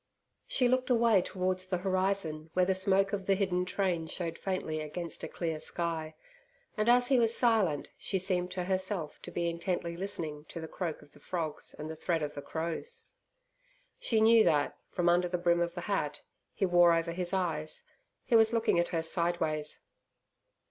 She looked away towards the horizon where the smoke of the hidden train showed faintly against a clear sky, and as he was silent, she seemed to herself to be intently listening to the croak of the frogs and the threat of the crows. She knew that, from under the brim of the hat he wore over his eyes, he was looking at her sideways.